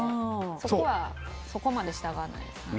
そこはそこまで従わないですね。